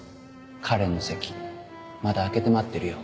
花恋の席まだ空けて待ってるよ